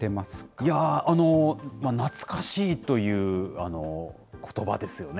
いやー、懐かしいということばですよね。